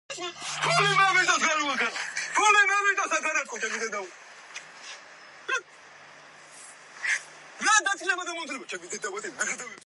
ის იყო სულთან იბრაჰიმის მეორე ვაჟი.